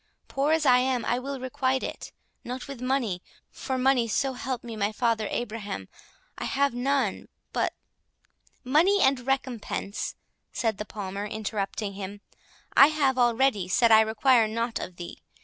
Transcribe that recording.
Poor as I am, I will requite it—not with money, for money, so help me my Father Abraham, I have none—but— " "Money and recompense," said the Palmer, interrupting him, "I have already said I require not of thee.